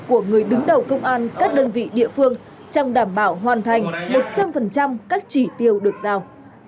của người đứng đầu công an các đơn vị địa phương trong đảm bảo hoàn thành một trăm linh các chỉ tiêu được giao